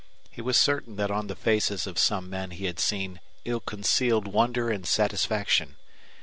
He was certain that on the faces of some men he had seen ill concealed wonder and satisfaction.